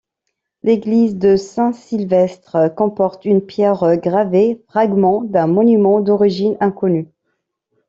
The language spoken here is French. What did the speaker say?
L'église de Saint-Sylvestre comporte une pierre gravée, fragment d'un monument d'origine inconnue.